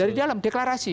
dari dalam deklarasi